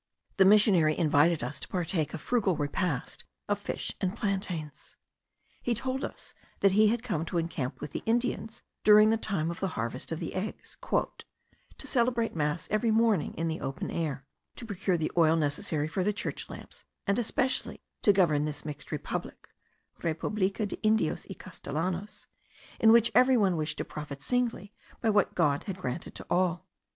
The missionary invited us to partake a frugal repast of fish and plantains. He told us that he had come to encamp with the Indians during the time of the harvest of eggs, "to celebrate mass every morning in the open air, to procure the oil necessary for the church lamps, and especially to govern this mixed republic (republica de Indios y Castellanos) in which every one wished to profit singly by what God had granted to all."